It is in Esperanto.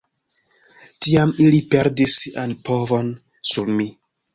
Tiam ili perdis sian povon sur mi.